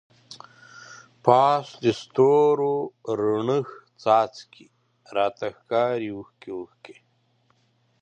پاس دستورو راڼه څاڅکی، راته ښکاری اوښکی اوښکی